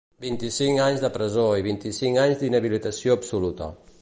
Vint-i-cinc anys de presó i vint-i-cinc anys d’inhabilitació absoluta.